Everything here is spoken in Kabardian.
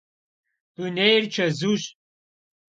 Dunêyr çezuş.